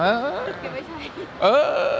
เก็บไว้ใช้